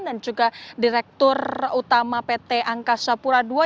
dan juga direktur utama pt angkasa pura ii